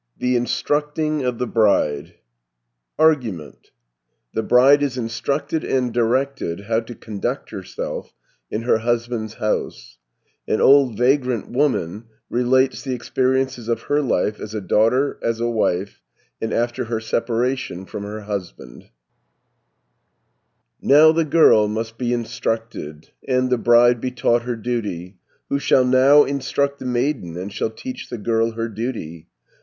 THE INSTRUCTING OF THE BRIDE Argument The bride is instructed and directed how to conduct herself in her husband's house (1 478). An old vagrant woman relates the experiences of her life as a daughter, as a wife, and after her separation from her husband (479 850). Now the girl must be instructed, And the bride be taught her duty, Who shall now instruct the maiden, And shall teach the girl her duty?